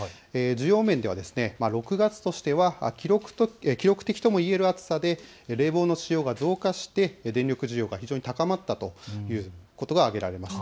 需要面ででは６月としては記録的ともいえる暑さで冷房の使用が増加して電力需要が非常に高まったということが挙げられます。